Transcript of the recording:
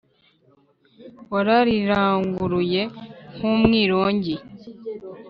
warariranguruye nk’umwirongi